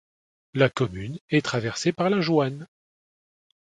La commune est traversée par la Jouanne.